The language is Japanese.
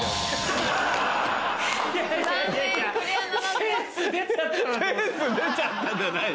「センス出ちゃった」じゃない。